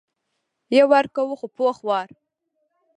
یو وار کوو خو پوخ وار.